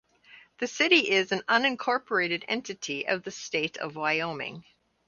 The city is an incorporated entity of the state of Wyoming.